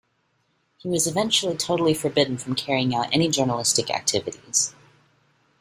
He was eventually totally forbidden from carrying out any journalistic activities.